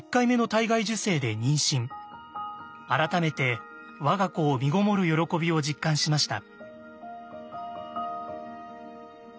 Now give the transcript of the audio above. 改めて我が子をみごもる喜びを実感しました。